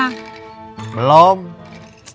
sudah belum mikirnya